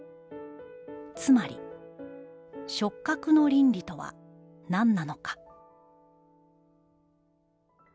つまり触覚の倫理とは何なのか」。